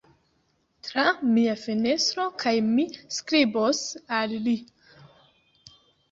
Tra mia fenestro, kaj mi skribos al li.